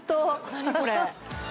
何これ？